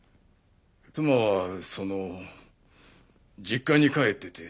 妻はその実家に帰ってて。